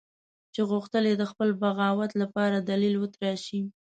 چې غوښتل یې د خپل بغاوت لپاره دلیل وتراشي.